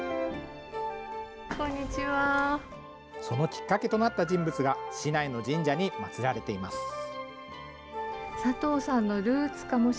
そのきっかけとなった人物が、市内の神社に祭られています。